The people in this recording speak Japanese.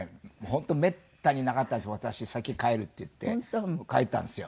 本当めったになかったんですけど「私先帰る」って言って帰ったんですよ。